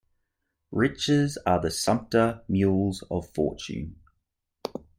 Riches are the sumpter mules of fortune.